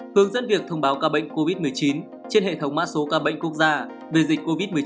hướng dẫn việc thông báo ca bệnh covid một mươi chín trên hệ thống mã số ca bệnh quốc gia về dịch covid một mươi chín